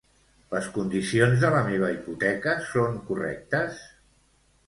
Les condicions de la meva hipoteca són correctes?